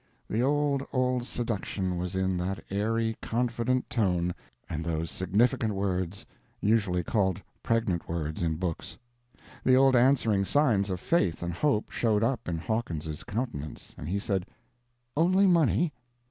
The old, old seduction was in that airy, confident tone and those significant words—usually called pregnant words in books. The old answering signs of faith and hope showed up in Hawkins's countenance, and he said: "Only money?